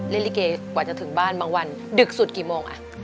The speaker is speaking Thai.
ลิเกกว่าจะถึงบ้านบางวันดึกสุดกี่โมง